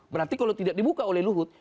berarti kalau tidak dibuka oleh luhut